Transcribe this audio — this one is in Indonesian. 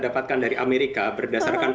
dapatkan dari amerika berdasarkan